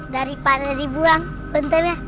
daripada dibuang bantanya